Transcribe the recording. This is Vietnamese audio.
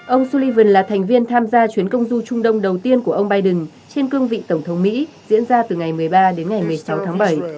ông sullivan là thành viên tham gia chuyến công du trung đông đầu tiên của ông biden trên cương vị tổng thống mỹ diễn ra từ ngày một mươi ba đến ngày một mươi sáu tháng bảy